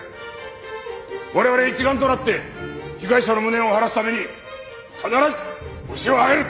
我々一丸となって被害者の無念を晴らすために必ずホシを挙げる！